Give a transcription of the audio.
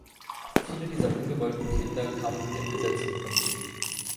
Viele dieser ungewollten Kinder kamen mit dem Gesetz in Konflikt.